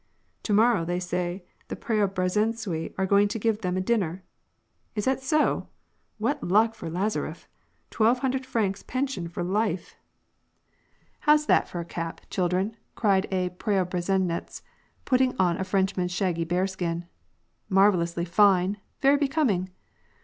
" To morrow, they say, the Preobrazhentsui are going tagive them a dinner." " Is that so ? What luck for Lazaref ! twelve hundred francs pension for life !'' 162 WAR AND PEACE. " How's that for a cap, children !" cried a Preobrazhenets, putting on a Frenchman's shaggy bearskin. " Marvellously fine ; very becoming